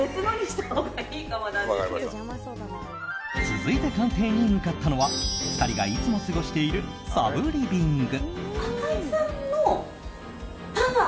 続いて鑑定に向かったのは２人がいつも過ごしているサブリビング。